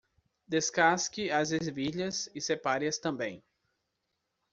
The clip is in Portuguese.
Descasque as ervilhas e separe-as também.